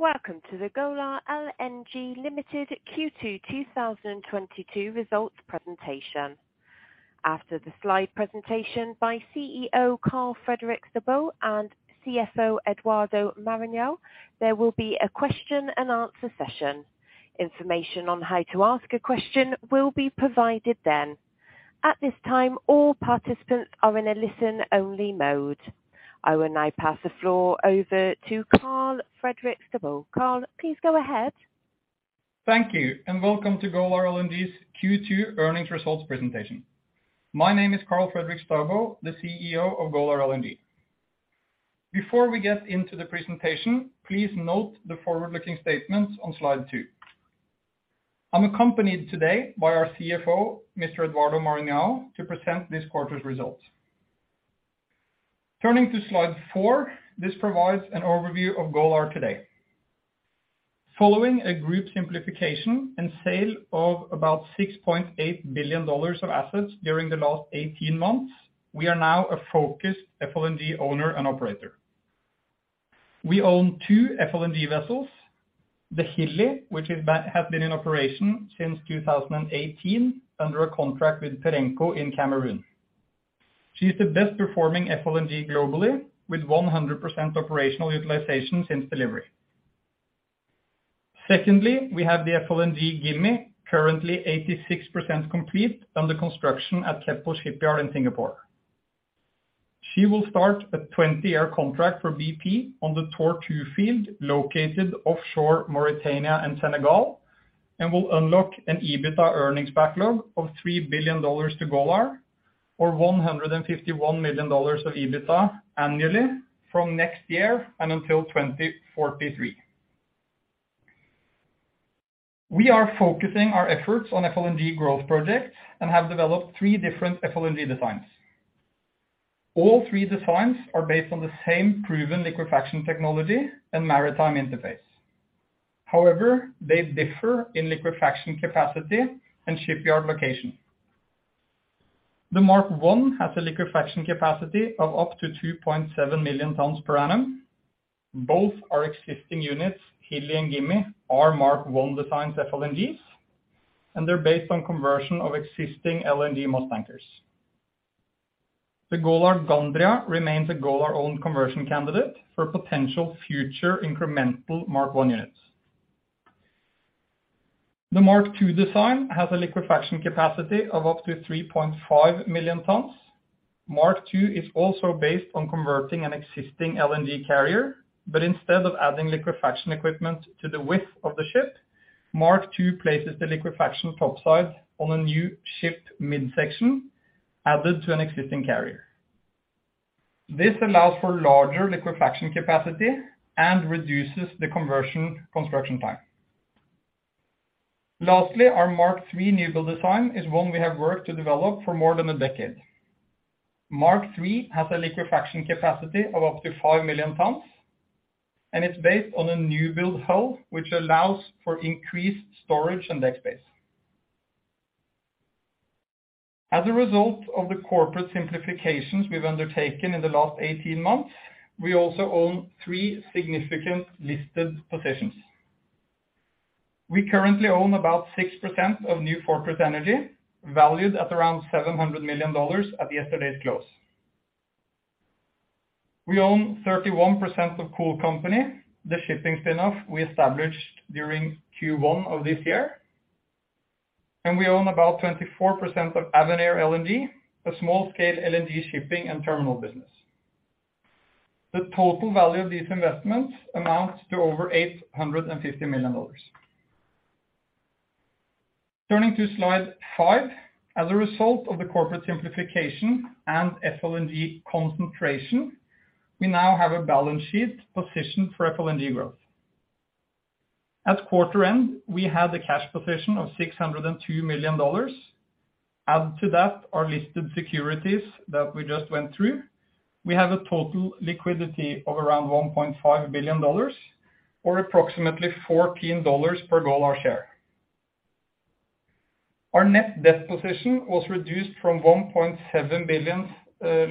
Welcome to the Golar LNG Limited Q2 2022 Results Presentation. After the slide presentation by CEO Karl Fredrik Staubo and CFO Eduardo Maranhão, there will be a question and answer session. Information on how to ask a question will be provided then. At this time, all participants are in a listen-only mode. I will now pass the floor over to Karl Fredrik Staubo. Karl, please go ahead. Thank you, and welcome to Golar LNG's Q2 earnings results presentation. My name is Karl Fredrik Staubo, the CEO of Golar LNG. Before we get into the presentation, please note the forward-looking statements on slide two. I'm accompanied today by our CFO, Mr. Eduardo Maranhão, to present this quarter's results. Turning to slide four, this provides an overview of Golar today. Following a group simplification and sale of about $6.8 billion of assets during the last 18 months, we are now a focused FLNG owner and operator. We own two FLNG vessels, the Hilli, which has been in operation since 2018 under a contract with Perenco in Cameroon. She is the best performing FLNG globally with 100% operational utilization since delivery. Secondly, we have the FLNG Gimi, currently 86% complete under construction at Keppel Shipyard in Singapore. She will start a 20-year contract for BP on the Tortue field located offshore Mauritania and Senegal, and will unlock an EBITDA earnings backlog of $3 billion to Golar or $151 million of EBITDA annually from next year and until 2043. We are focusing our efforts on FLNG growth projects and have developed three different FLNG designs. All three designs are based on the same proven liquefaction technology and maritime interface. However, they differ in liquefaction capacity and shipyard location. The Mark I has a liquefaction capacity of up to 2.7 million tons per annum. Both our existing units, Hilli and Gimi, are Mark I design FLNGs, and they're based on conversion of existing LNG Moss tankers. The Golar Gandria remains a Golar-owned conversion candidate for potential future incremental Mark I units. The Mark II design has a liquefaction capacity of up to 3.5 million tons. Mark II is also based on converting an existing LNG carrier, but instead of adding liquefaction equipment to the width of the ship, Mark II places the liquefaction topside on a new ship midsection added to an existing carrier. This allows for larger liquefaction capacity and reduces the conversion construction time. Lastly, our Mark III newbuild design is one we have worked to develop for more than a decade. Mark III has a liquefaction capacity of up to 5 million tons, and it's based on a newbuild hull, which allows for increased storage and deck space. As a result of the corporate simplifications we've undertaken in the last 18 months, we also own three significant listed positions. We currently own about 6% of New Fortress Energy, valued at around $700 million at yesterday's close. We own 31% of Cool Company, the shipping spin-off we established during Q1 of this year. We own about 24% of Avenir LNG, a small-scale LNG shipping and terminal business. The total value of these investments amounts to over $850 million. Turning to slide five. As a result of the corporate simplification and FLNG concentration, we now have a balance sheet positioned for FLNG growth. At quarter end, we had a cash position of $602 million. Add to that our listed securities that we just went through. We have a total liquidity of around $1.5 billion or approximately $14 per Golar share. Our net debt position was reduced from $1.7 billion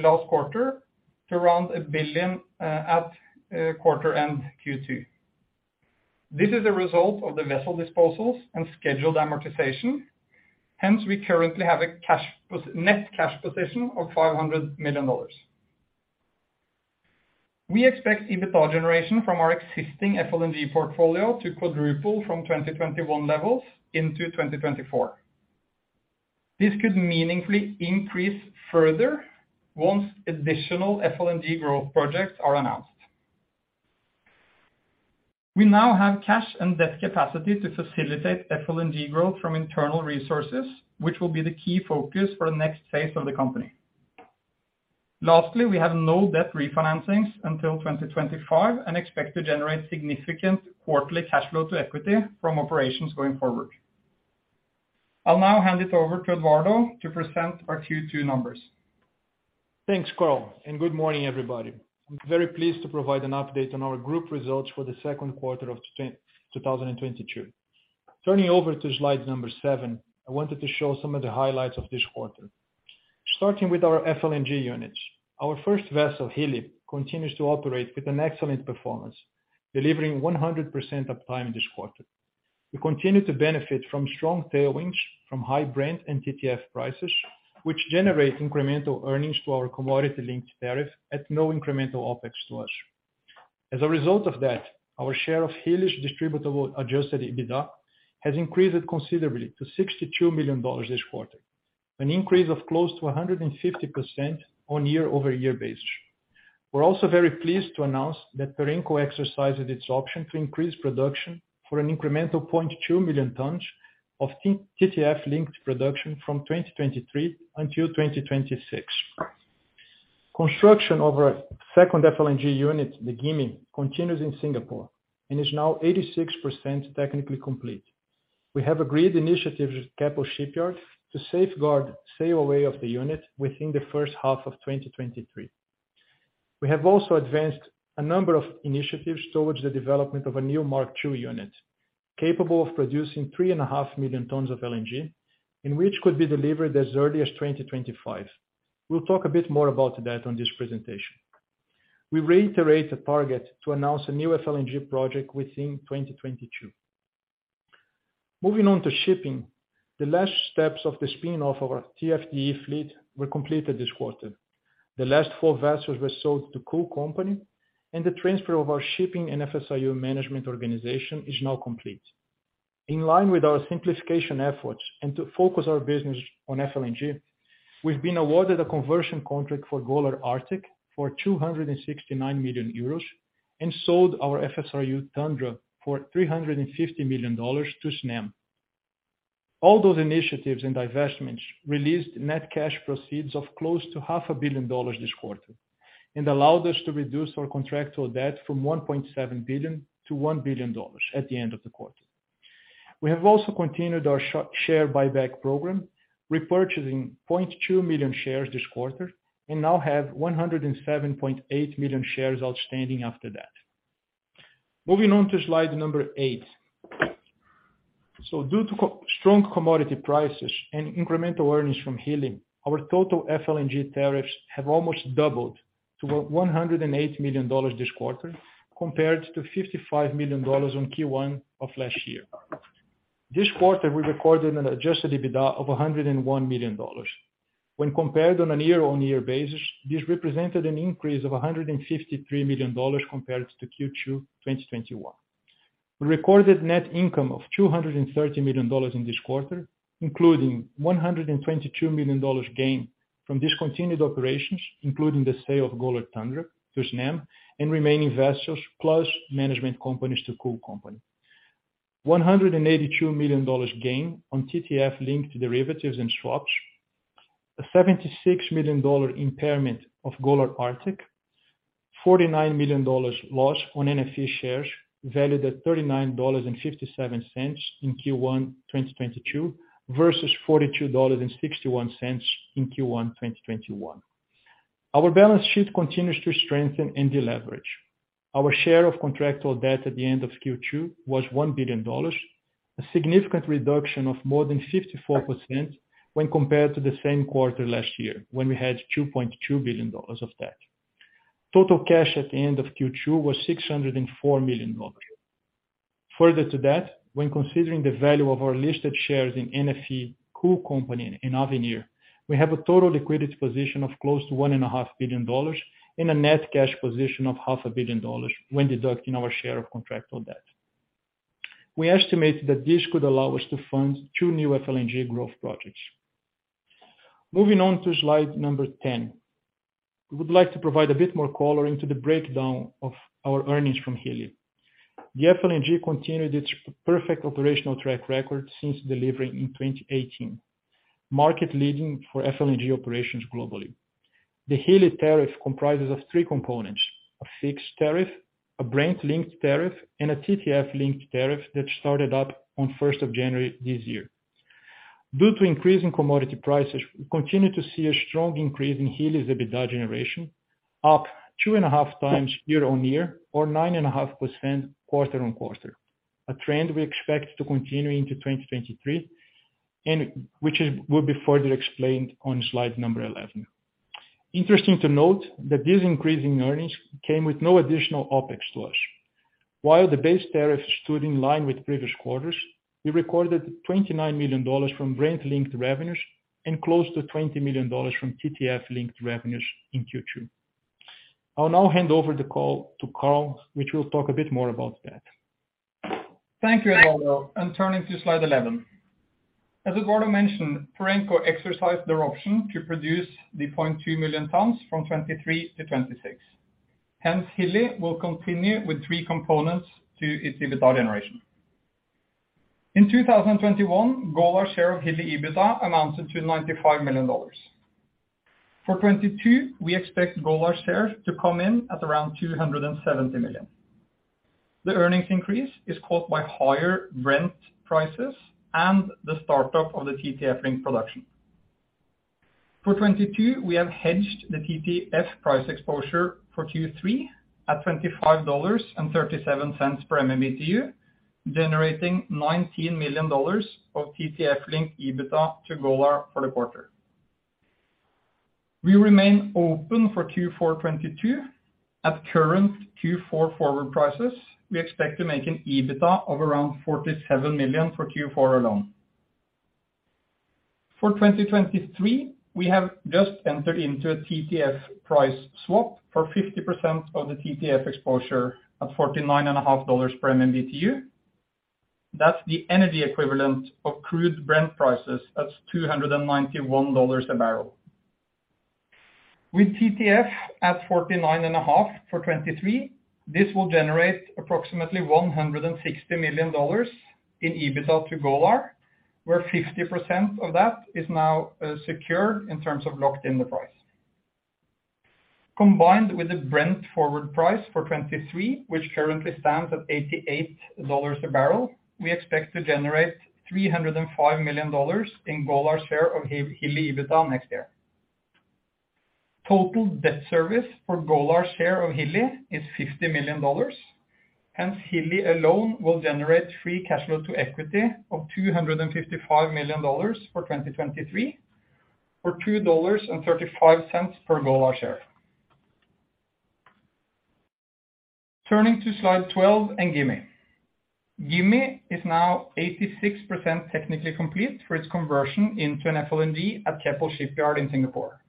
last quarter to around $1 billion at quarter-end Q2. This is a result of the vessel disposals and scheduled amortization. Hence, we currently have a net cash position of $500 million. We expect EBITDA generation from our existing FLNG portfolio to quadruple from 2021 levels into 2024. This could meaningfully increase further once additional FLNG growth projects are announced. We now have cash and debt capacity to facilitate FLNG growth from internal resources, which will be the key focus for the next phase of the company. Lastly, we have no debt refinancings until 2025 and expect to generate significant quarterly cash flow to equity from operations going forward. I'll now hand it over to Eduardo to present our Q2 numbers. Thanks, Karl, and good morning, everybody. I'm very pleased to provide an update on our group results for the second quarter of 2022. Turning over to slide number seven, I wanted to show some of the highlights of this quarter. Starting with our FLNG units. Our first vessel, Hilli, continues to operate with an excellent performance, delivering 100% uptime this quarter. We continue to benefit from strong tailwinds from high Brent and TTF prices, which generate incremental earnings to our commodity-linked tariff at no incremental OpEx to us. As a result of that, our share of Hilli's distributable adjusted EBITDA has increased considerably to $62 million this quarter, an increase of close to 150% on year-over-year basis. We're also very pleased to announce that Perenco exercised its option to increase production for an incremental 0.2 million tons of TTF-linked production from 2023 until 2026. Construction of our second FLNG unit, the Gimi, continues in Singapore and is now 86% technically complete. We have agreed initiatives with Keppel Shipyard to safeguard sail away of the unit within the first half of 2023. We have also advanced a number of initiatives towards the development of a new Mark II unit, capable of producing 3.5 million tons of LNG, and which could be delivered as early as 2025. We'll talk a bit more about that on this presentation. We reiterate the target to announce a new FLNG project within 2022. Moving on to shipping. The last steps of the spin-off of our TFDE fleet were completed this quarter. The last four vessels were sold to Cool Company, and the transfer of our shipping and FSRU management organization is now complete. In line with our simplification efforts and to focus our business on FLNG, we've been awarded a conversion contract for Golar Arctic for 269 million euros and sold our FSRU Tundra for $350 million to Snam. All those initiatives and divestments released net cash proceeds of close to half a billion dollars this quarter and allowed us to reduce our contractual debt from $1.7 billion to $1 billion at the end of the quarter. We have also continued our share buyback program, repurchasing 0.2 million shares this quarter, and now have 107.8 million shares outstanding after that. Moving on to slide number eight. Due to strong commodity prices and incremental earnings from Hilli, our total FLNG tariffs have almost doubled to $108 million this quarter, compared to $55 million in Q1 of last year. This quarter, we recorded an adjusted EBITDA of $101 million. When compared on a year-on-year basis, this represented an increase of $153 million compared to Q2 2021. We recorded net income of $230 million in this quarter, including $122 million gain from discontinued operations, including the sale of Golar Tundra to Snam and remaining vessels, plus management companies to Cool Company. $182 million gain on TTF-linked derivatives and swaps. A $76 million dollar impairment of Golar Arctic. $49 million lost on NFE shares, valued at $39.57 in Q1 2022 versus $42.61 in Q1 2021. Our balance sheet continues to strengthen and deleverage. Our share of contractual debt at the end of Q2 was $1 billion, a significant reduction of more than 54% when compared to the same quarter last year when we had $2.2 billion of debt. Total cash at the end of Q2 was $604 million. Further to that, when considering the value of our listed shares in NFE Cool Company in Avenir, we have a total liquidity position of close to $1.5 billion and a net cash position of $500,000 when deducting our share of contractual debt. We estimate that this could allow us to fund two new FLNG growth projects. Moving on to slide number 10. We would like to provide a bit more color into the breakdown of our earnings from Hilli. The FLNG continued its perfect operational track record since delivering in 2018, market leading for FLNG operations globally. The Hilli tariff comprises of three components: a fixed tariff, a Brent-linked tariff, and a TTF-linked tariff that started up on first of January this year. Due to increasing commodity prices, we continue to see a strong increase in Hilli's EBITDA generation, up two and a half times year-over-year or 9.5% quarter-over-quarter, a trend we expect to continue into 2023, and which will be further explained on slide number 11. Interesting to note that this increase in earnings came with no additional OpEx to us. While the base tariff stood in line with previous quarters, we recorded $29 million from Brent-linked revenues and close to $20 million from TTF-linked revenues in Q2. I'll now hand over the call to Karl, which will talk a bit more about that. Thank you, Eduardo. Turning to slide 11. As Eduardo mentioned, Perenco exercised their option to produce the 0.2 million tons from 2023 to 2026. Hence, Hilli will continue with three components to its EBITDA generation. In 2021, Golar share of Hilli EBITDA amounted to $95 million. For 2022, we expect Golar shares to come in at around $270 million. The earnings increase is caused by higher Brent prices and the start-up of the TTF-linked production. For 2022, we have hedged the TTF price exposure for Q3 at $25.37 per MMBtu. Generating $19 million of TTF-linked EBITDA to Golar for the quarter. We remain open for Q4 2022. At current Q4 forward prices, we expect to make an EBITDA of around $47 million for Q4 alone. For 2023, we have just entered into a TTF price swap for 50% of the TTF exposure at $49.5 per MMBtu. That's the energy equivalent of crude Brent prices at $291 a barrel. With TTF at $49.5 for 2023, this will generate approximately $160 million in EBITDA to Golar, where 50% of that is now secured in terms of locked in the price. Combined with the Brent forward price for 2023, which currently stands at $88 a barrel, we expect to generate $305 million in Golar's share of Hilli EBITDA next year. Total debt service for Golar's share of Hilli is $50 million. Hence Hilli alone will generate free cash flow to equity of $255 million for 2023 or $2.35 per Golar share. Turning to slide 12 and Gimi. Gimi is now 86% technically complete for its conversion into an FLNG at Keppel Shipyard in Singapore.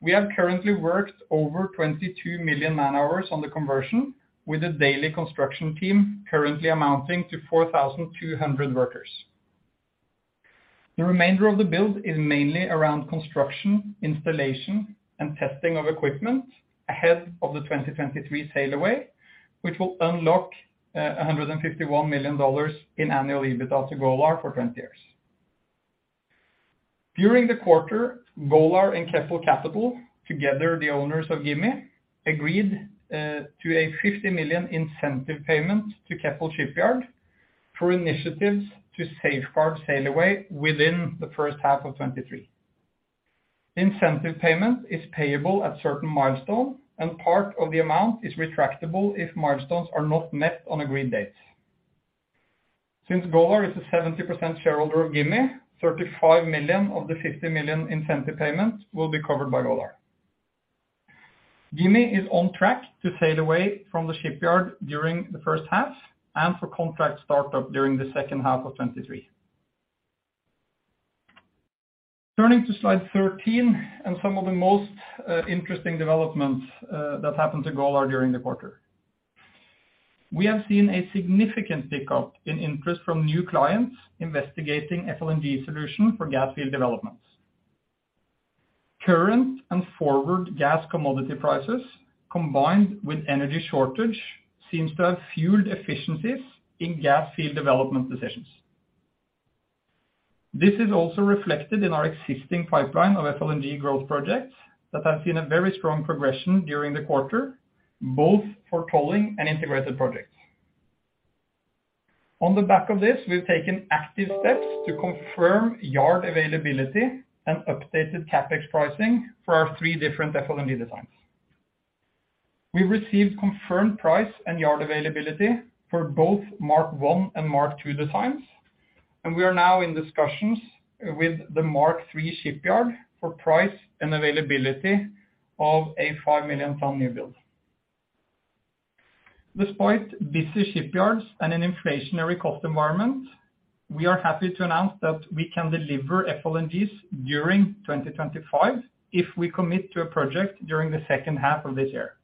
We have currently worked over 22 million man-hours on the conversion with a daily construction team currently amounting to 4,200 workers. The remainder of the build is mainly around construction, installation and testing of equipment ahead of the 2023 sail away, which will unlock $151 million in annual EBITDA to Golar for 20 years. During the quarter, Golar and Keppel Capital, together the owners of Gimi, agreed to a $50 million incentive payment to Keppel Shipyard for initiatives to safeguard sail away within the first half of 2023. Incentive payment is payable at certain milestone and part of the amount is retractable if milestones are not met on agreed dates. Since Golar is a 70% shareholder of Gimi, $35 million of the $50 million incentive payment will be covered by Golar. Gimi is on track to sail away from the shipyard during the first half and for contract start-up during the second half of 2023. Turning to slide 13 and some of the most interesting developments that happened to Golar during the quarter. We have seen a significant pickup in interest from new clients investigating FLNG solution for gas field developments. Current and forward gas commodity prices combined with energy shortage seems to have fueled efficiencies in gas field development decisions. This is also reflected in our existing pipeline of FLNG growth projects that have seen a very strong progression during the quarter, both for tolling and integrated projects. On the back of this, we've taken active steps to confirm yard availability and updated CapEx pricing for our three different FLNG designs. We received confirmed price and yard availability for both Mark one and Mark two designs, and we are now in discussions with the Mark three shipyard for price and availability of a 5 million ton new build. Despite busy shipyards and an inflationary cost environment, we are happy to announce that we can deliver FLNGs during 2025 if we commit to a project during the second half of this year.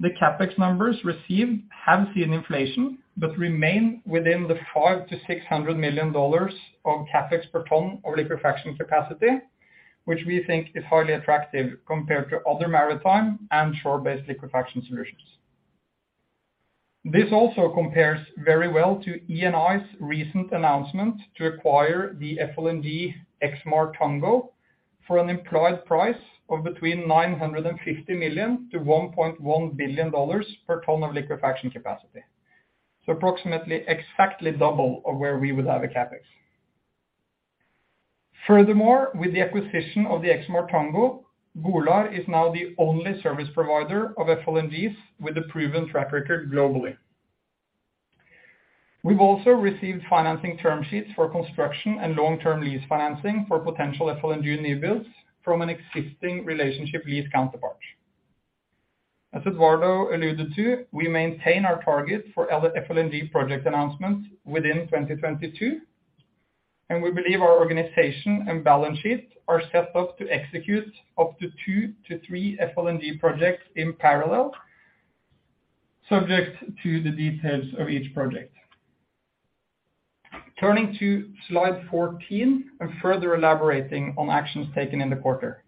The CapEx numbers received have seen inflation but remain within the $500-$600 million of CapEx per ton of liquefaction capacity, which we think is highly attractive compared to other maritime and shore-based liquefaction solutions. This also compares very well to Eni's recent announcement to acquire the Exmar Tango FLNG for an implied price of between $950 million-$1.1 billion per ton of liquefaction capacity. Approximately exactly double of where we would have a CapEx. Furthermore, with the acquisition of the Exmar Tango, Golar is now the only service provider of FLNGs with a proven track record globally. We've also received financing term sheets for construction and long-term lease financing for potential FLNG new builds from an existing relationship lease counterpart. As Eduardo alluded to, we maintain our target for FLNG project announcements within 2022, and we believe our organization and balance sheet are set up to execute up to 2-3 FLNG projects in parallel, subject to the details of each project. Turning to slide 14 and further elaborating on actions taken in the quarter.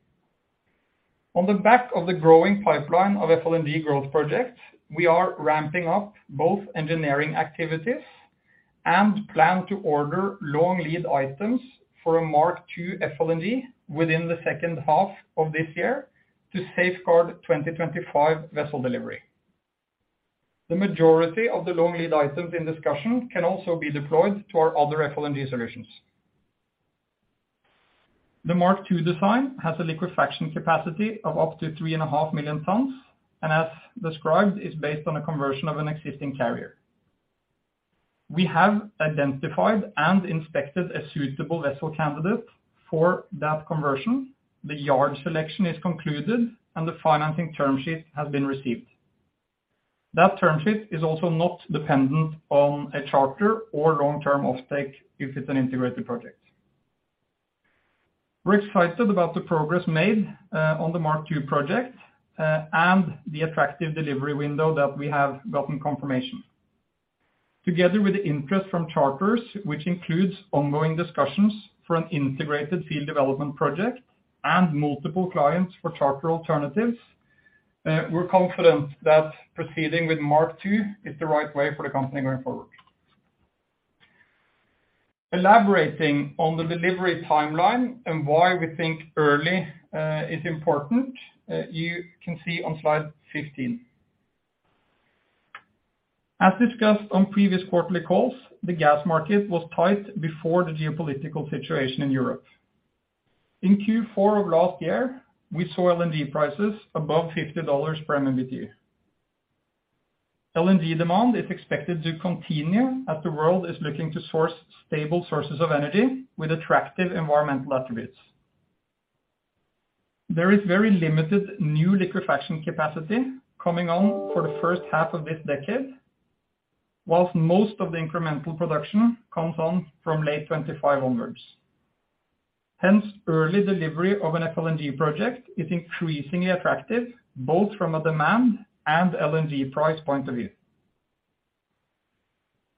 On the back of the growing pipeline of FLNG growth projects, we are ramping up both engineering activities and plan to order long lead items for a Mark II FLNG within the second half of this year to safeguard 2025 vessel delivery. The majority of the long lead items in discussion can also be deployed to our other FLNG solutions. The Mark II design has a liquefaction capacity of up to 3.5 million tons, and as described, is based on a conversion of an existing carrier. We have identified and inspected a suitable vessel candidate for that conversion. The yard selection is concluded and the financing term sheet has been received. That term sheet is also not dependent on a charter or long-term offtake if it's an integrated project. We're excited about the progress made on the Mark II project and the attractive delivery window that we have gotten confirmation. Together with the interest from charters, which includes ongoing discussions for an integrated field development project and multiple clients for charter alternatives, we're confident that proceeding with Mark II is the right way for the company going forward. Elaborating on the delivery timeline and why we think early is important, you can see on slide 15. As discussed on previous quarterly calls, the gas market was tight before the geopolitical situation in Europe. In Q4 of last year, we saw LNG prices above $50 per MMBtu. LNG demand is expected to continue as the world is looking to source stable sources of energy with attractive environmental attributes. There is very limited new liquefaction capacity coming on for the first half of this decade, while most of the incremental production comes on from late 2025 onwards. Hence, early delivery of an FLNG project is increasingly attractive, both from a demand and LNG price point of view.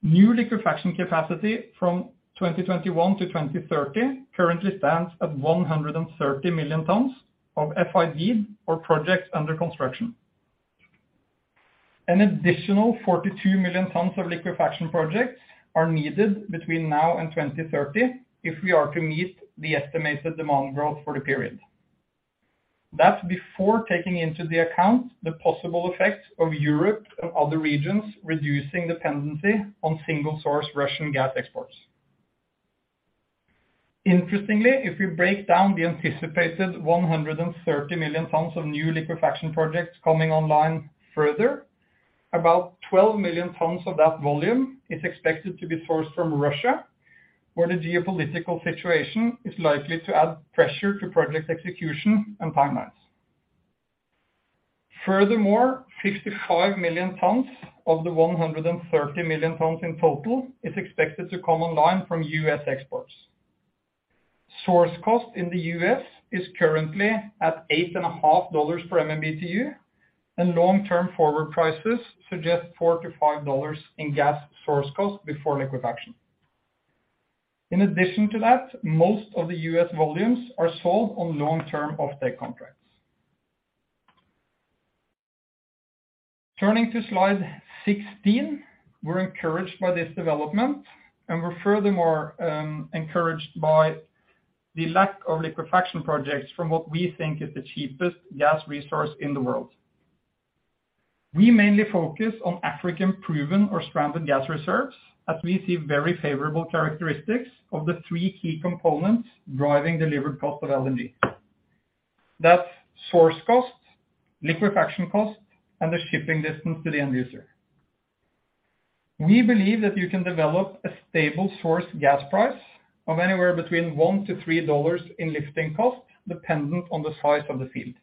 New liquefaction capacity from 2021 to 2030 currently stands at 130 million tons of FID or projects under construction. An additional 42 million tons of liquefaction projects are needed between now and 2030 if we are to meet the estimated demand growth for the period. That's before taking into the account the possible effects of Europe and other regions reducing dependency on single-source Russian gas exports. Interestingly, if we break down the anticipated 130 million tons of new liquefaction projects coming online further, about 12 million tons of that volume is expected to be sourced from Russia, where the geopolitical situation is likely to add pressure to project execution and timelines. Furthermore, 65 million tons of the 130 million tons in total is expected to come online from U.S. exports. Source cost in the U.S. is currently at $8.5 per MMBtu, and long-term forward prices suggest $4-$5 in gas source cost before liquefaction. In addition to that, most of the U.S. volumes are sold on long-term offtake contracts. Turning to slide 16. We're encouraged by this development, and we're furthermore encouraged by the lack of liquefaction projects from what we think is the cheapest gas resource in the world. We mainly focus on African proven or stranded gas reserves, as we see very favorable characteristics of the three key components driving delivered cost of LNG. That's source cost, liquefaction cost, and the shipping distance to the end user. We believe that you can develop a stable source gas price of anywhere between $1-$3 in lifting cost, dependent on the size of the field.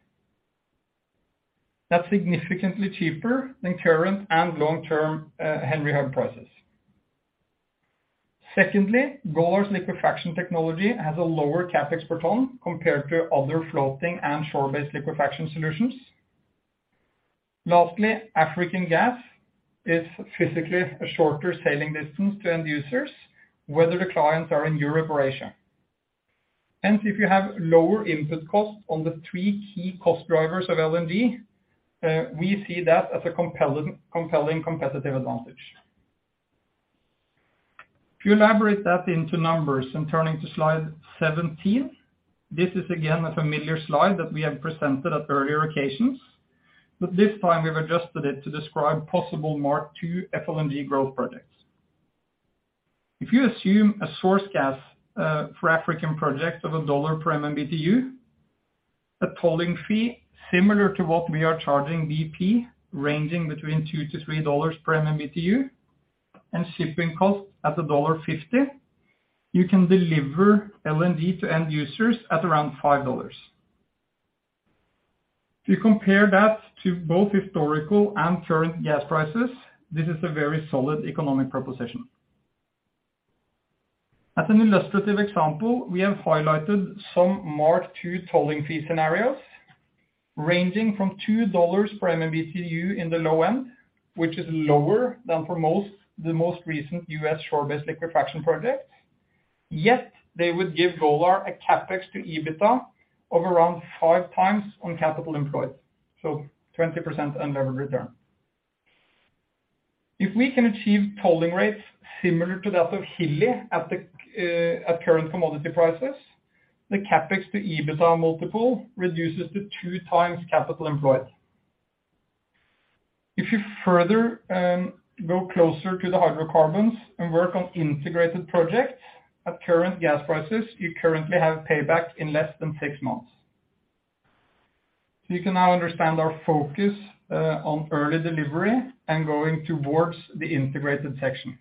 That's significantly cheaper than current and long-term Henry Hub prices. Secondly, Golar's liquefaction technology has a lower CapEx per ton compared to other floating and shore-based liquefaction solutions. Lastly, African gas is physically a shorter sailing distance to end users, whether the clients are in Europe or Asia. Hence, if you have lower input costs on the three key cost drivers of LNG, we see that as a compelling competitive advantage. If you elaborate that into numbers, and turning to slide 17, this is again a familiar slide that we have presented at earlier occasions. This time we've adjusted it to describe possible Mark II FLNG growth projects. If you assume a source gas for African project of $1 per MMBtu, a tolling fee similar to what we are charging BP, ranging between $2-$3 per MMBtu, and shipping cost at $1.50, you can deliver LNG to end users at around $5. If you compare that to both historical and current gas prices, this is a very solid economic proposition. As an illustrative example, we have highlighted some Mark II tolling fee scenarios ranging from $2 per MMBtu in the low end, which is lower than for most, the most recent U.S. shore-based liquefaction projects. Yet, they would give Golar a CapEx to EBITDA of around 5x on capital employed, so 20% unlevered return. If we can achieve tolling rates similar to that of Hilli at current commodity prices, the CapEx to EBITDA multiple reduces to 2x capital employed. If you further go closer to the hydrocarbons and work on integrated projects at current gas prices, you currently have payback in less than six months. You can now understand our focus on early delivery and going towards the integrated section.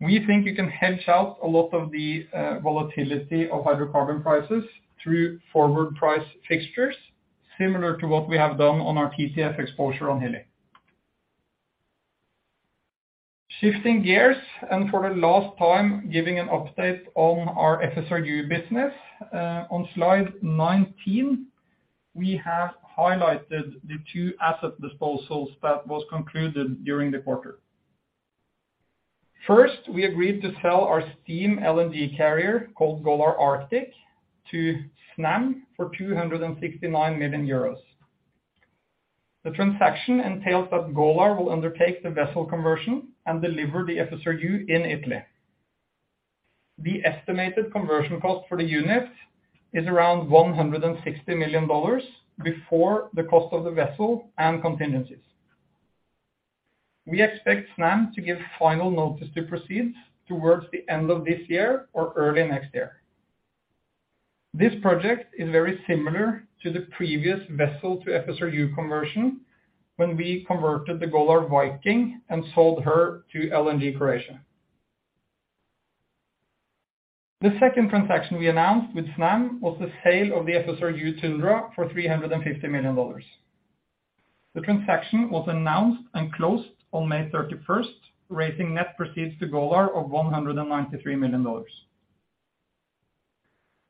We think you can hedge out a lot of the volatility of hydrocarbon prices through forward price fixtures, similar to what we have done on our TTF exposure on Hilli. Shifting gears and for the last time giving an update on our FSRU business. On slide 19, we have highlighted the two asset disposals that was concluded during the quarter. First, we agreed to sell our steam LNG carrier called Golar Arctic to Snam for 269 million euros. The transaction entails that Golar will undertake the vessel conversion and deliver the FSRU in Italy. The estimated conversion cost for the unit is around $160 million before the cost of the vessel and contingencies. We expect Snam to give final notice to proceed towards the end of this year or early next year. This project is very similar to the previous vessel to FSRU conversion when we converted the Golar Viking and sold her to LNG Croatia. The second transaction we announced with Snam was the sale of the FSRU Tundra for $350 million. The transaction was announced and closed on May 31st, raising net proceeds to Golar of $193 million.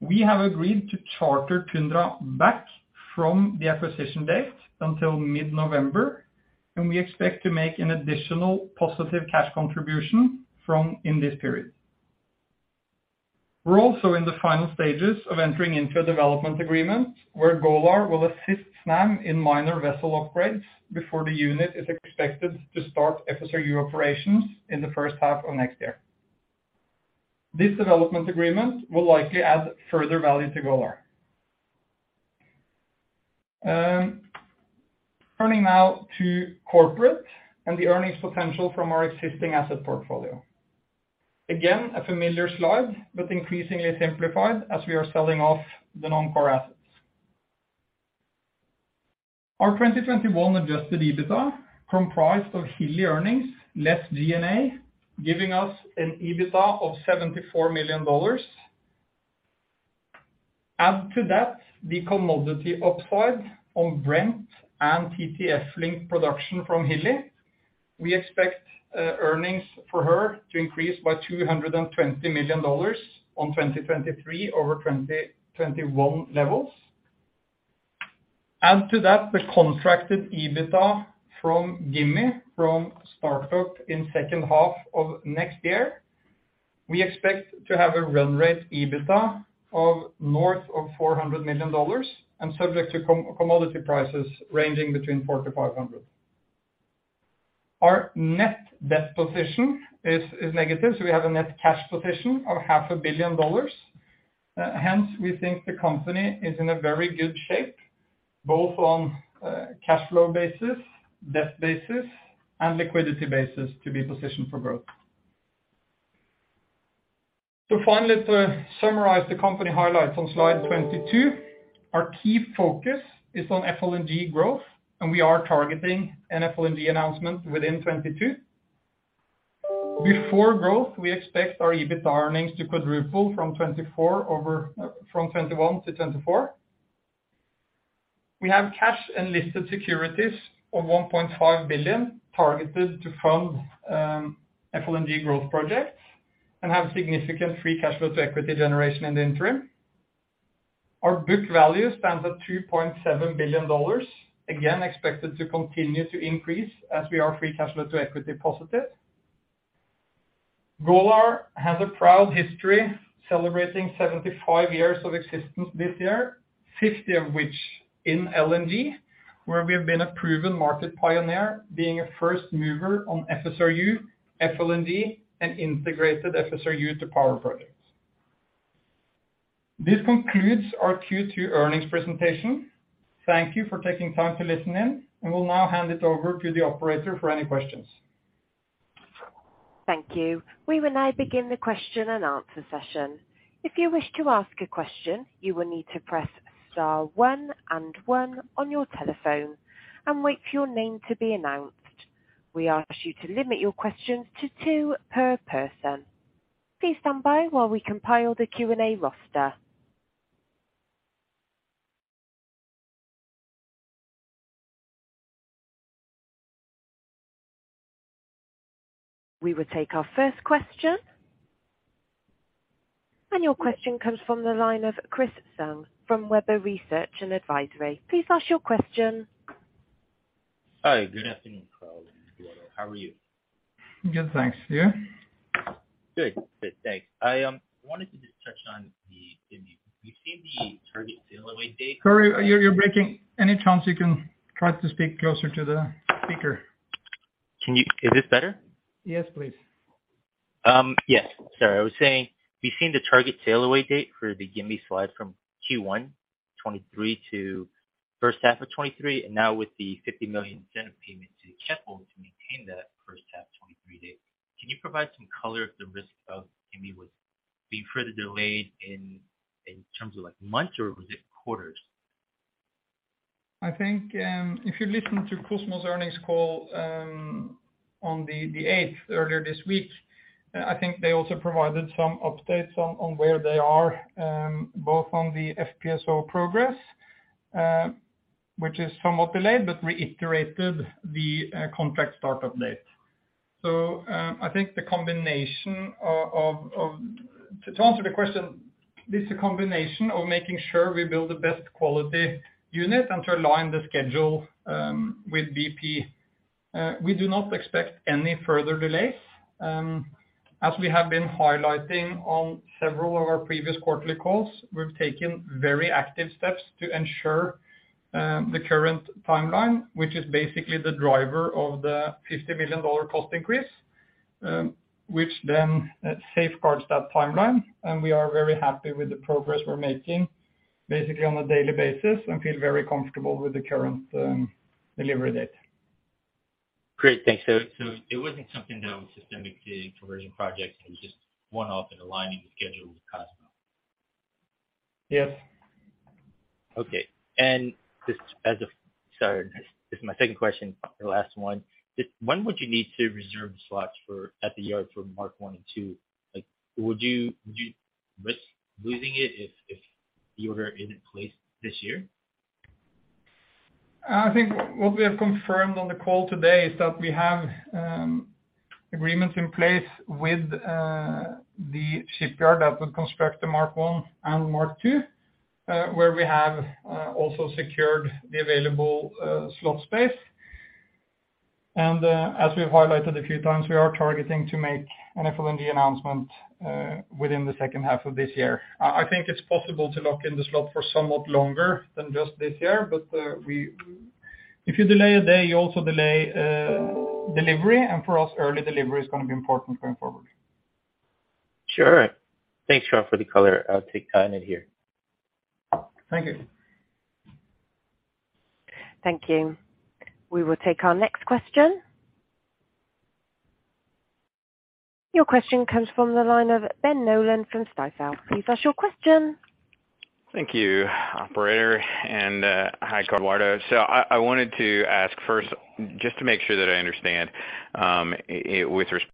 We have agreed to charter Tundra back from the acquisition date until mid-November, and we expect to make an additional positive cash contribution during this period. We're also in the final stages of entering into a development agreement where Golar will assist Snam in minor vessel upgrades before the unit is expected to start FSRU operations in the first half of next year. This development agreement will likely add further value to Golar. Turning now to corporate and the earnings potential from our existing asset portfolio. Again, a familiar slide, but increasingly simplified as we are selling off the non-core assets. Our 2021 adjusted EBITDA comprised of Hilli earnings less G&A, giving us an EBITDA of $74 million. Add to that the commodity upside on Brent and TTF linked production from Hilli. We expect earnings for Hilli to increase by $220 million on 2023 over 2021 levels. Add to that the contracted EBITDA from Gimi from start up in second half of next year. We expect to have a run rate EBITDA of north of $400 million and subject to commodity prices ranging between 400-500. Our net debt position is negative, so we have a net cash position of half a billion dollars. Hence, we think the company is in a very good shape, both on cash flow basis, debt basis, and liquidity basis to be positioned for growth. Finally, to summarize the company highlights on slide 22. Our key focus is on FLNG growth, and we are targeting an FLNG announcement within 2022. Before growth, we expect our EBITDA earnings to quadruple from 2021 to 2024. We have cash and listed securities of $1.5 billion targeted to fund FLNG growth projects and have significant free cash flow to equity generation in the interim. Our book value stands at $2.7 billion, again, expected to continue to increase as we are free cash flow to equity positive. Golar has a proud history celebrating 75 years of existence this year, 50 of which in LNG, where we have been a proven market pioneer being a first mover on FSRU, FLNG, and integrated FSRU to power projects. This concludes our Q2 earnings presentation. Thank you for taking time to listen in, and we'll now hand it over to the operator for any questions. Thank you. We will now begin the question and answer session. If you wish to ask a question, you will need to press star one and one on your telephone and wait for your name to be announced. We ask you to limit your questions to two per person. Please stand by while we compile the Q&A roster. We will take our first question. Your question comes from the line of Chris Tsung from Webber Research & Advisory. Please ask your question. Hi. Good afternoon, Karl and Eduardo. How are you? Good, thanks. You? Good. Thanks. I wanted to just touch on the Gimi. You see the target sail away date. Sorry, you're breaking. Any chance you can try to speak closer to the speaker? Is this better? Yes, please. Yes, sorry. I was saying we've seen the target sail away date for the Gimi slide from Q1 2023 to first half of 2023, and now with the $50 million incentive payment to Keppel to maintain that first half 2023 date. Can you provide some color if the risk of Gimi was being further delayed in terms of like months or was it quarters? I think, if you listen to Kosmos Energy earnings call, on the eighth earlier this week, I think they also provided some updates on where they are, both on the FPSO progress, which is somewhat delayed, but reiterated the contract start up date. I think the combination of to answer the question, it is a combination of making sure we build the best quality unit and to align the schedule with BP. We do not expect any further delays. As we have been highlighting on several of our previous quarterly calls, we have taken very active steps to ensure the current timeline, which is basically the driver of the $50 million cost increase, which then safeguards that timeline. We are very happy with the progress we're making basically on a daily basis and feel very comfortable with the current delivery date. Great. Thanks. It wasn't something that was systemic to conversion projects. It was just one-off in aligning the schedule with Kosmos. Yes. Okay. Sorry, this is my second question and last one. Just when would you need to reserve slots at the yard for Mark I and II? Like, would you risk losing it if the order isn't placed this year? I think what we have confirmed on the call today is that we have agreements in place with the shipyard that would construct the Mark I and Mark II, where we have also secured the available slot space. As we've highlighted a few times, we are targeting to make an FLNG announcement within the second half of this year. I think it's possible to lock in the slot for somewhat longer than just this year, but if you delay a day, you also delay delivery, and for us early delivery is gonna be important going forward. Sure. Thanks, Karl, for the color. I'll take on it here. Thank you. Thank you. We will take our next question. Your question comes from the line of Ben Nolan from Stifel. Please ask your question. Thank you, operator, and hi, Eduardo. I wanted to ask first just to make sure that I understand with respect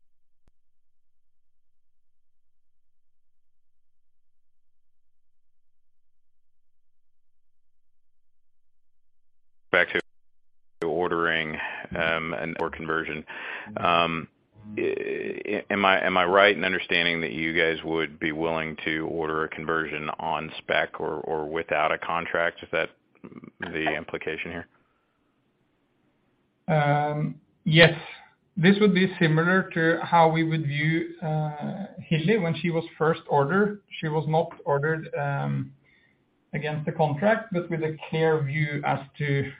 to ordering an FLNG conversion. Am I right in understanding that you guys would be willing to order a conversion on spec or without a contract, if that's the implication here? Yes. This would be similar to how we would view Hilli when she was first ordered. She was not ordered against the contract, but with a clear view as to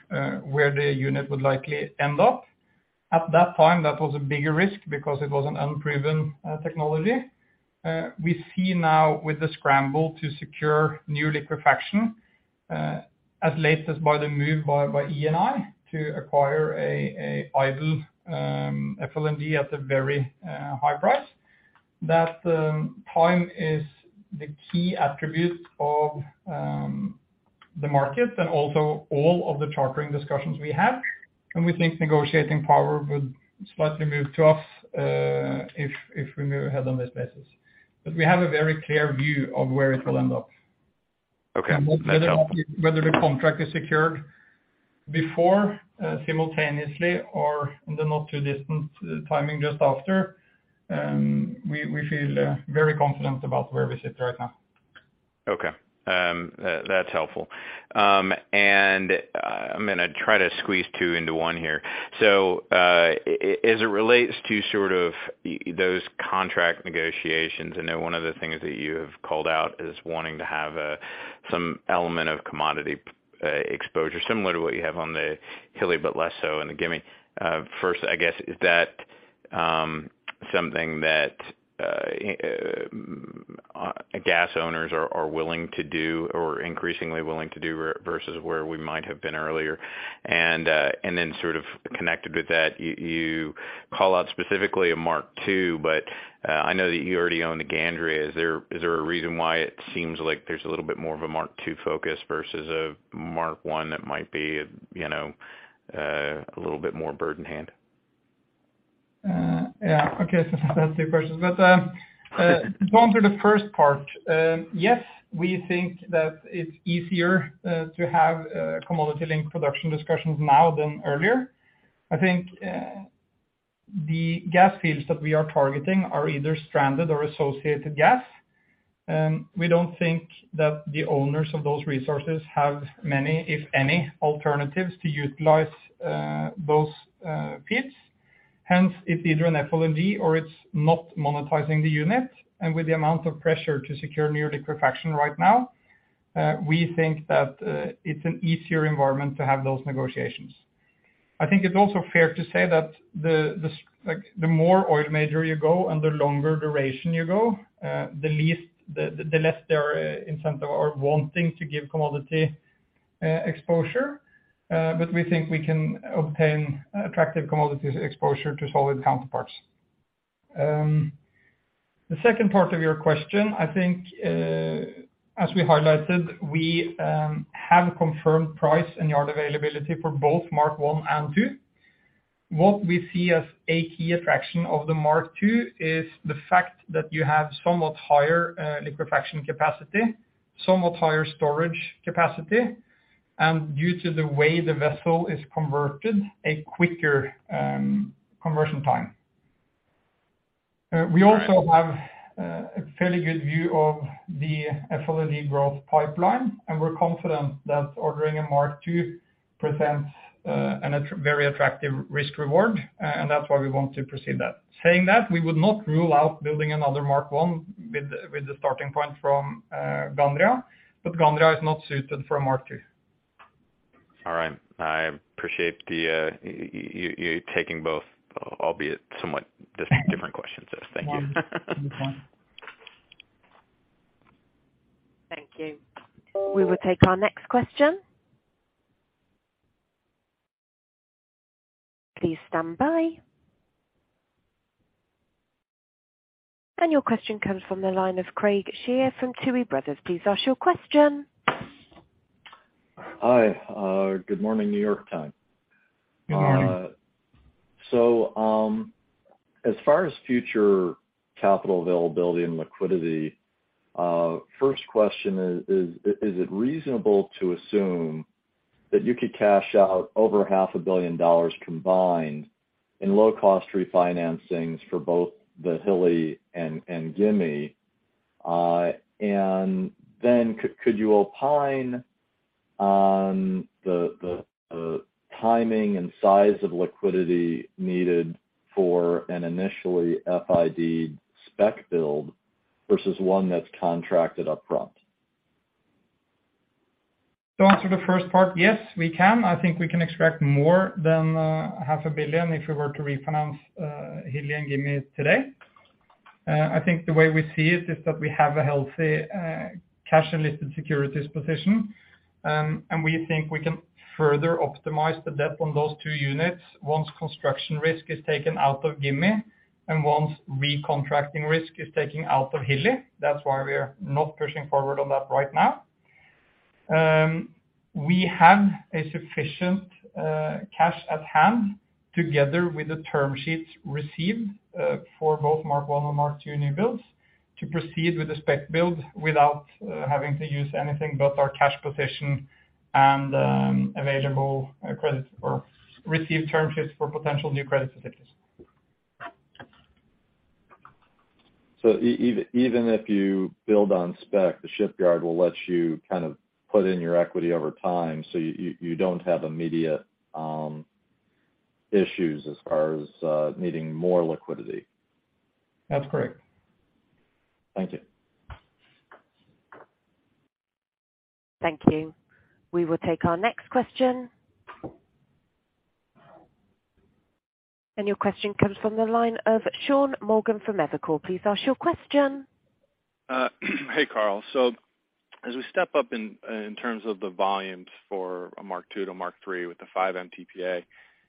where the unit would likely end up. At that time, that was a bigger risk because it was an unproven technology. We see now with the scramble to secure new liquefaction, as late as the move by ENI to acquire an idle FLNG at a very high price, that time is the key attribute of the market and also all of the chartering discussions we have. We think negotiating power would slightly move to us if we move ahead on this basis. We have a very clear view of where it will end up. Okay. That's helpful. Whether the contract is secured before, simultaneously or in the not too distant timing just after, we feel very confident about where we sit right now. Okay. That's helpful. I'm gonna try to squeeze two into one here. As it relates to sort of those contract negotiations, I know one of the things that you have called out is wanting to have some element of commodity exposure, similar to what you have on the Hilli, but less so in the Gimi. First, I guess, is that something that gas owners are willing to do or increasingly willing to do relative to where we might have been earlier? Sort of connected with that, you call out specifically a Mark II, but I know that you already own the Gandria. Is there a reason why it seems like there's a little bit more of a Mark II focus versus a Mark I that might be, you know, a little bit more bird in hand? Yeah. Okay. That's two questions. To answer the first part, yes, we think that it's easier to have commodity-linked production discussions now than earlier. I think the gas fields that we are targeting are either stranded or associated gas. We don't think that the owners of those resources have many, if any, alternatives to utilize those fields. Hence, it's either an FLNG or it's not monetizing the unit. With the amount of pressure to secure new liquefaction right now, we think that it's an easier environment to have those negotiations. I think it's also fair to say that the more oil major you go and the longer duration you go, the less they are incentivized or wanting to give commodity exposure. We think we can obtain attractive commodity exposure to solid counterparties. The second part of your question, I think, as we highlighted, we have confirmed price and yard availability for both Mark I and II. What we see as a key attraction of the Mark II is the fact that you have somewhat higher liquefaction capacity, somewhat higher storage capacity, and due to the way the vessel is converted, a quicker conversion time. We also have a fairly good view of the FLNG growth pipeline, and we're confident that ordering a Mark II presents a very attractive risk reward, and that's why we want to proceed that. Saying that, we would not rule out building another Mark I with the starting point from Gandria, but Gandria is not suited for a Mark II. All right. I appreciate you taking both, albeit somewhat different questions. Yes. Thank you. One, good one. Thank you. We will take our next question. Please stand by. Your question comes from the line of Craig Shere from Tuohy Brothers. Please ask your question. Hi. Good morning, New York time. Good morning. As far as future capital availability and liquidity, uh first question is it reasonable to assume that you could cash out over half a billion dollars combined in low-cost refinancings for both the Hilli and Gimi? And then could you opine on the timing and size of liquidity needed for an initially FID spec build versus one that's contracted upfront? To answer the first part, yes, we can. I think we can expect more than $500,000 if we were to refinance Hilli and Gimi today. I think the way we see it is that we have a healthy uh cash and listed securities position, and we think we can further optimize the debt on those two units once construction risk is taken out of Gimi and once recontracting risk is taken out of Hilli. That's why we are not pushing forward on that right now. We have a sufficient cash at hand together with the term sheets received for both Mark I and Mark II new builds to proceed with the spec build without having to use anything but our cash position and available credit or received term sheets for potential new credit facilities. Even if you build on spec, the shipyard will let you kind of put in your equity over time, so you don't have immediate issues as far as needing more liquidity? That's correct. Thank you. Thank you. We will take our next question. Your question comes from the line of Sean Morgan from Evercore. Please ask your question. Hey, Karl. As we step up in terms of the volumes for a Mark II to Mark III with the 5 MTPA,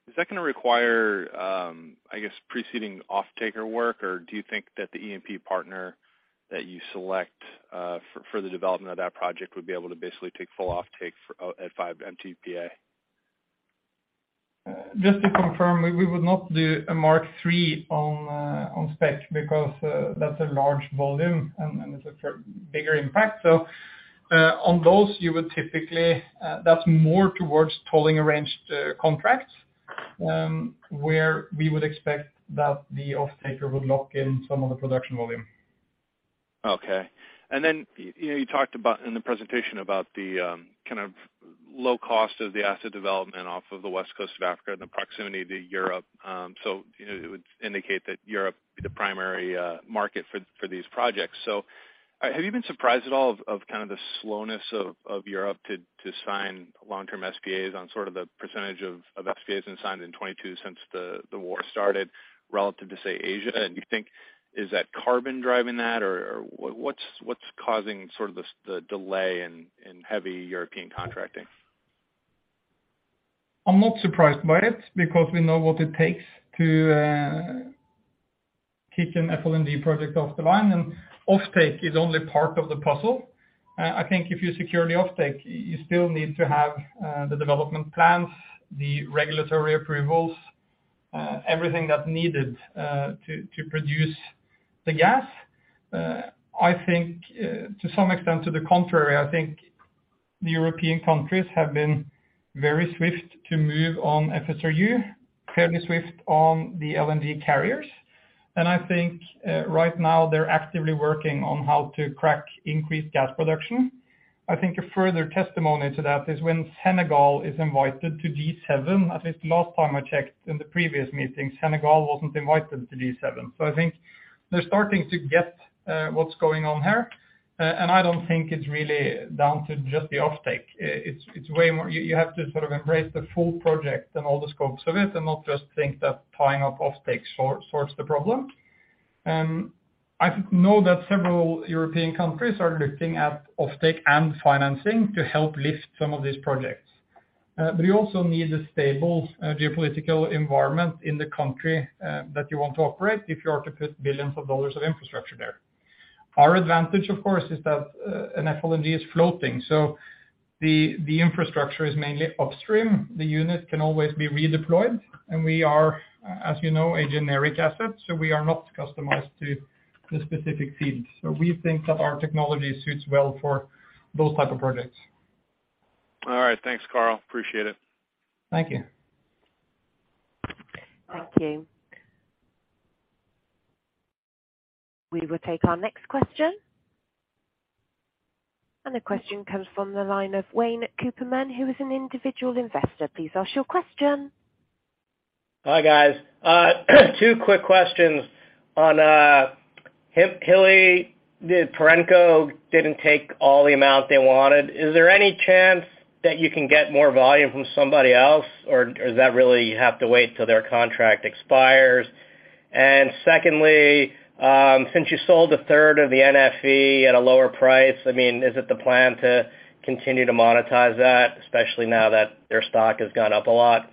is that gonna require, I guess, preceding offtaker work? Or do you think that the E&P partner that you select for the development of that project would be able to basically take full offtake at 5 MTPA? Just to confirm, we would not do a Mark III on spec because that's a large volume and it's a bigger impact. That's more towards tolling arranged contracts, where we would expect that the offtaker would lock in some of the production volume. Okay. You know, you talked about in the presentation about the kind of low cost of the asset development off of the west coast of Africa and the proximity to Europe. You know, it would indicate that Europe be the primary market for these projects. Have you been surprised at all of kind of the slowness of Europe to sign long-term SPAs on sort of the percentage of SPAs signed in 2022 since the war started relative to, say, Asia? You think is that carbon driving that or what's causing sort of this the delay in heavy European contracting? I'm not surprised by it because we know what it takes to kick an FLNG project off the line, and offtake is only part of the puzzle. I think if you secure the offtake, you still need to have the development plans, the regulatory approvals, everything that's needed to produce the gas. I think to some extent, to the contrary, I think the European countries have been very swift to move on FSRU, fairly swift on the LNG carriers. I think right now they're actively working on how to crack increased gas production. I think a further testimony to that is when Senegal is invited to G7. At least last time I checked in the previous meeting, Senegal wasn't invited to G7. I think they're starting to get what's going on here. I don't think it's really down to just the offtake. It's way more. You have to sort of embrace the full project and all the scopes of it and not just think that tying up offtake solves the problem. I know that several European countries are looking at offtake and financing to help lift some of these projects. You also need a stable geopolitical environment in the country that you want to operate if you are to put billions of dollars of infrastructure there. Our advantage, of course, is that an FLNG is floating, so the infrastructure is mainly upstream. The unit can always be redeployed, and we are, as you know, a generic asset, so we are not customized to the specific feeds. We think that our technology suits well for those type of projects. All right. Thanks, Karl. Appreciate it. Thank you. Thank you. We will take our next question. The question comes from the line of Wayne Cooperman, who is an Individual Investor. Please ask your question. Hi, guys. Two quick questions. On Hilli, did Perenco not take all the amount they wanted? Is there any chance that you can get more volume from somebody else, or does that really have to wait till their contract expires? Secondly, since you sold a third of the NFE at a lower price, I mean, is it the plan to continue to monetize that, especially now that their stock has gone up a lot?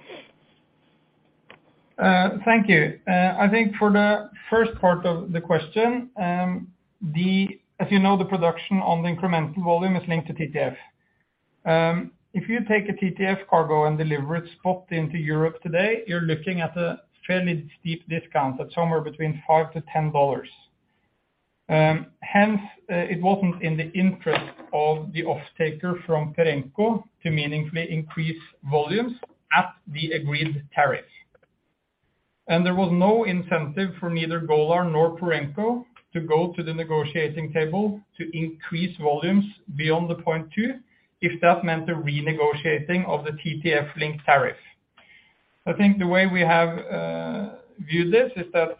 Thank you. I think for the first part of the question, if you know the production on the incremental volume is linked to TTF. If you take a TTF cargo and deliver it spot into Europe today, you're looking at a fairly steep discount at somewhere between $5-$10. Hence, it wasn't in the interest of the offtaker from Perenco to meaningfully increase volumes at the agreed tariff. There was no incentive for neither Golar nor Perenco to go to the negotiating table to increase volumes beyond the 0.2 if that meant a renegotiating of the TTF link tariff. I think the way we have viewed this is that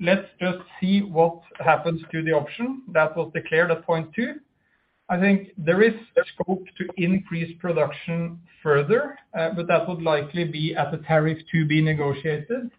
let's just see what happens to the option that was declared at 0.2. I think there is a scope to increase production further, but that would likely be at a tariff to be negotiated.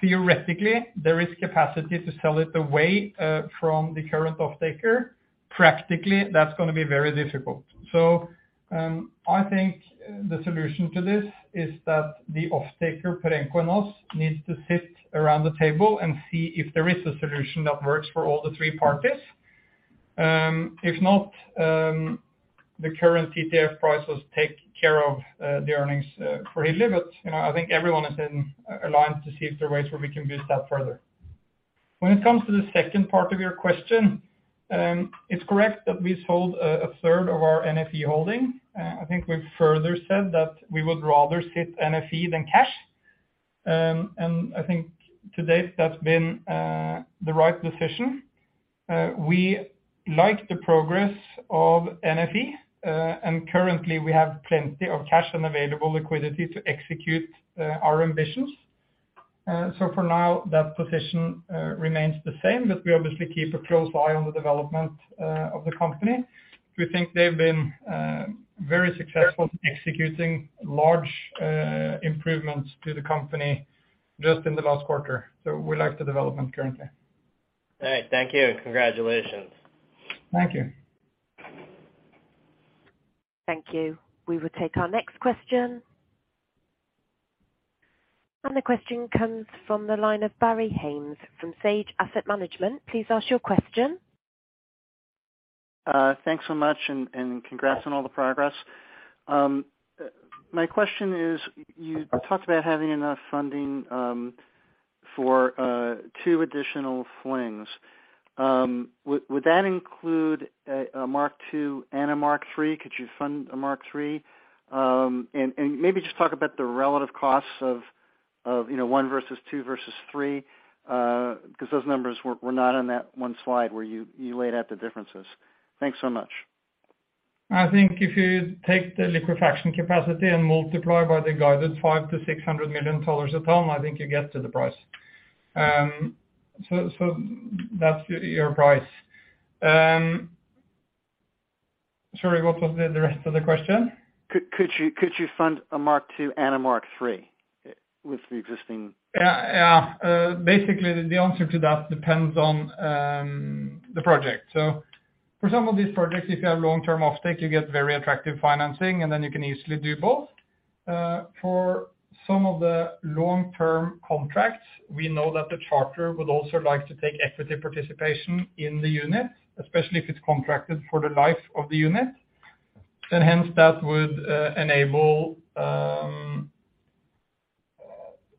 Theoretically, there is capacity to sell it away, from the current offtaker. Practically, that's gonna be very difficult. I think the solution to this is that the offtaker, Perenco and us, needs to sit around the table and see if there is a solution that works for all the three parties. If not, the current TTF prices take care of the earnings for Hilli, but, you know, I think everyone is aligned to see if there are ways where we can boost that further. When it comes to the second part of your question, it's correct that we sold a third of our NFE holding. I think we've further said that we would rather sit NFE than cash. I think to date, that's been the right decision. We like the progress of NFE, and currently we have plenty of cash and available liquidity to execute our ambitions. For now, that position remains the same, but we obviously keep a close eye on the development of the company. We think they've been very successful executing large improvements to the company just in the last quarter. We like the development currently. All right. Thank you, and congratulations. Thank you. Thank you. We will take our next question. The question comes from the line of Barry Haines from Sage Asset Management. Please ask your question. Thanks so much and congrats on all the progress. My question is, you talked about having enough funding for two additional FLNGs. Would that include a Mark II and a Mark III? Could you fund a Mark III? And maybe just talk about the relative costs of, you know, 1 versus 2 versus 3, 'cause those numbers were not on that one slide where you laid out the differences. Thanks so much. I think if you take the liquefaction capacity and multiply by the guided $500 million-$600 million a ton, I think you get to the price. That's your price. Sorry, what was the rest of the question? Could you fund a Mark II and a Mark III with the existing- Yeah, yeah. Basically, the answer to that depends on the project. For some of these projects, if you have long-term offtake, you get very attractive financing, and then you can easily do both. For some of the long-term contracts, we know that the charter would also like to take equity participation in the unit, especially if it's contracted for the life of the unit. Hence, that would enable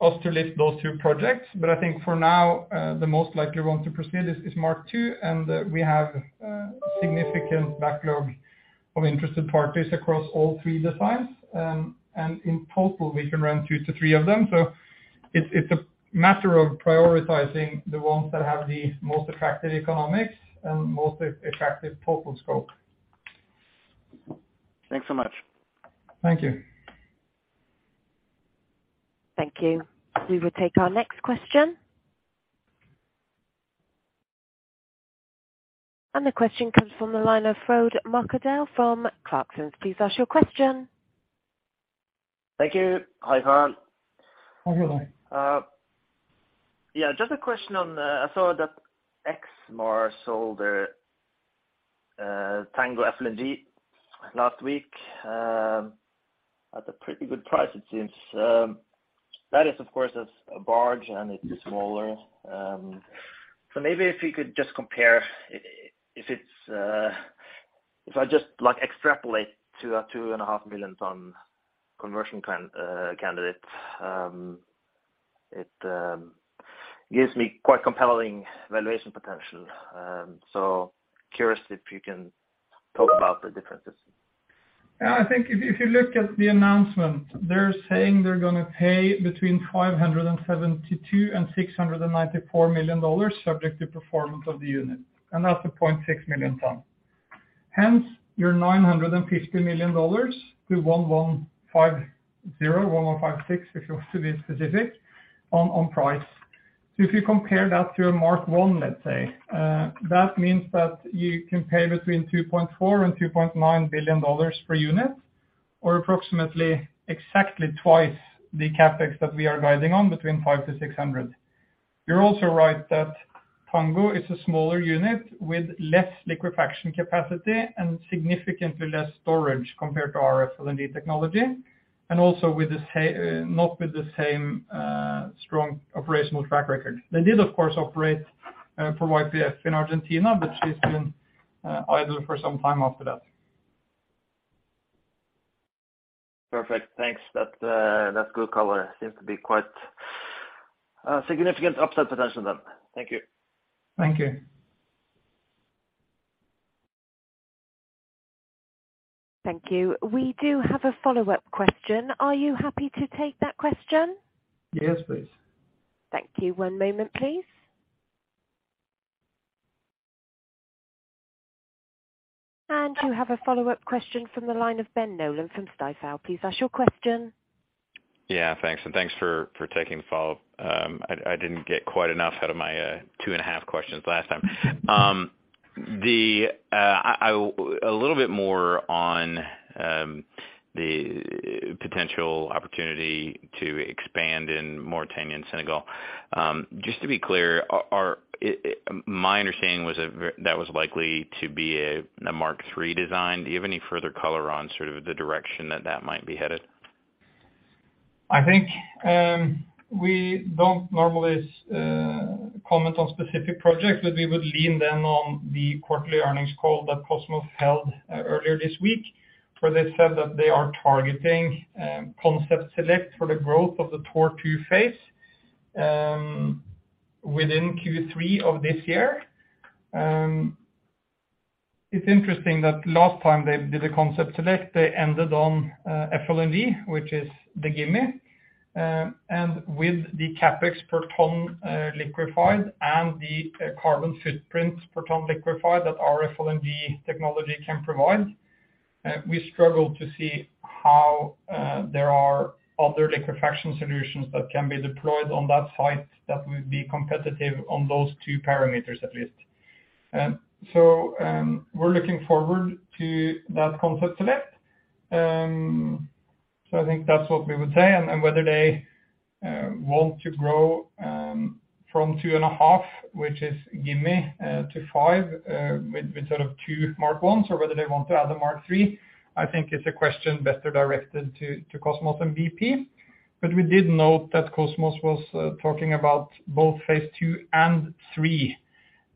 us to lift those two projects. But I think for now, the most likely one to proceed is Mark II, and we have significant backlog of interested parties across all three designs. In total, we can run two to three of them. It's a matter of prioritizing the ones that have the most attractive economics and most attractive total scope. Thanks so much. Thank you. Thank you. We will take our next question. The question comes from the line of Frode Morkedal from Clarksons. Please ask your question. Thank you. Hi, Han. Hi, Frode. Yeah, just a question on. I saw that Exmar sold their Tango FLNG last week at a pretty good price, it seems. That is, of course, a barge, and it's smaller. So maybe if you could just compare if it's. If I just, like, extrapolate to a 2.5 million ton conversion candidate, it gives me quite compelling valuation potential. So curious if you can talk about the differences. Yeah, I think if you look at the announcement, they're saying they're gonna pay between $572 million-$694 million subject to performance of the unit, and that's a 0.6 million ton. Hence, your $950 million to $1,150-$1,156 million, if you want to be specific, on price. If you compare that to a Mark I, let's say, that means that you can pay between $2.4 billion-$2.9 billion per unit or approximately exactly twice the CapEx that we are guiding on between $500-$600 million. You're also right that Tango is a smaller unit with less liquefaction capacity and significantly less storage compared to our FLNG technology, and also not with the same strong operational track record. They did, of course, operate for YPF in Argentina, but she's been idle for some time after that. Perfect. Thanks. That's good color. Seems to be quite significant upside potential then. Thank you. Thank you. Thank you. We do have a follow-up question. Are you happy to take that question? Yes, please. Thank you. One moment, please. You have a follow-up question from the line of Ben Nolan from Stifel. Please ask your question. Yeah, thanks. Thanks for taking the follow-up. I didn't get quite enough out of my 2.5 questions last time. A little bit more on the potential opportunity to expand in Mauritania and Senegal. Just to be clear, are. My understanding was that that was likely to be a Mark III design. Do you have any further color on sort of the direction that that might be headed? I think we don't normally comment on specific projects, but we would lean then on the quarterly earnings call that Kosmos held earlier this week, where they said that they are targeting concept select for the growth of the Tortue phase within Q3 of this year. It's interesting that last time they did a concept select, they ended on FLNG, which is the Gimi. With the CapEx per ton liquefied and the carbon footprints per ton liquefied that our FLNG technology can provide, we struggle to see how there are other liquefaction solutions that can be deployed on that site that will be competitive on those two parameters at least. We're looking forward to that concept select. I think that's what we would say. whether they want to grow from 2.5, which is Gimi, to 5 with sort of two Mark Is or whether they want to add a Mark III, I think is a question better directed to Kosmos and BP. We did note that Kosmos was talking about both phase two and three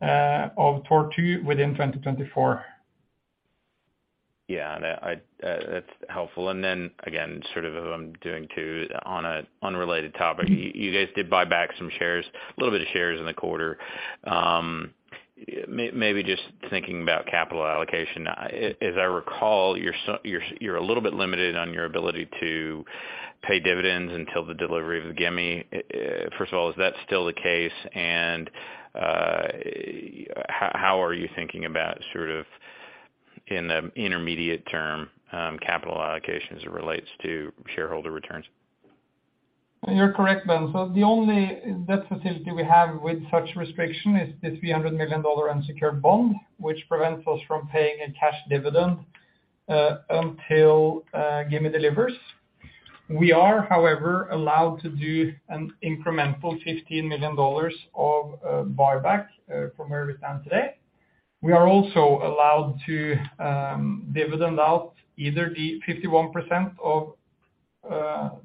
of Tortue within 2024. Yeah. That's helpful. Then again, sort of if I'm doing two on an unrelated topic. You guys did buy back some shares, a little bit of shares in the quarter. Maybe just thinking about capital allocation. As I recall, you're a little bit limited on your ability to pay dividends until the delivery of the Gimi. First of all, is that still the case? How are you thinking about sort of in the intermediate term capital allocation as it relates to shareholder returns? You're correct, Ben. The only debt facility we have with such restriction is the $300 million unsecured bond, which prevents us from paying a cash dividend until Gimi delivers. We are, however, allowed to do an incremental $15 million of buyback from where we stand today. We are also allowed to dividend out either the 51% of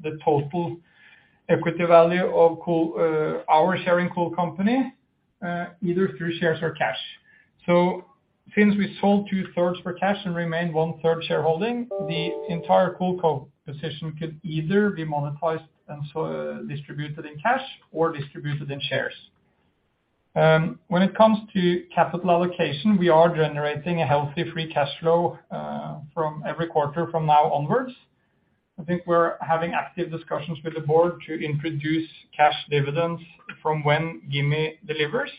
the total equity value of Cool, our share in Cool Company, either through shares or cash. Since we sold two-thirds for cash and remained one-third shareholding, the entire CoolCo position could either be monetized and so distributed in cash or distributed in shares. When it comes to capital allocation, we are generating a healthy free cash flow from every quarter from now onwards. I think we're having active discussions with the board to introduce cash dividends from when Gimi delivers.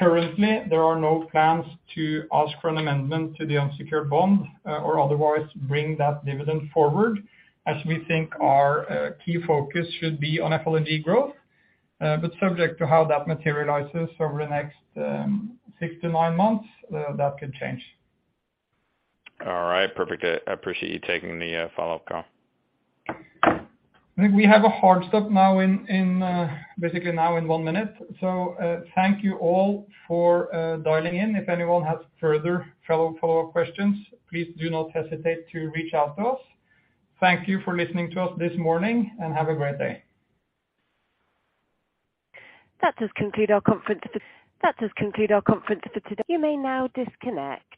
Currently, there are no plans to ask for an amendment to the unsecured bond or otherwise bring that dividend forward, as we think our key focus should be on FLNG growth, but subject to how that materializes over the next six to nine months, that could change. All right. Perfect. I appreciate you taking the follow-up call. I think we have a hard stop now basically in one minute. Thank you all for dialing in. If anyone has further follow-up questions, please do not hesitate to reach out to us. Thank you for listening to us this morning, and have a great day. That does conclude our conference. That does conclude our conference for today. You may now disconnect.